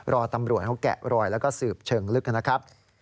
รอตำรวจเขาแกะรอยแล้วก็สืบเชิงลึกนะครับ